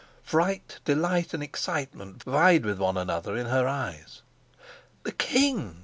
Fright, delight, and excitement vied with one another in her eyes. "The king!"